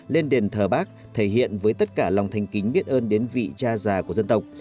lên đền thờ bắc thể hiện với tất cả lòng thanh kính biết ơn đến vị cha già của dân tộc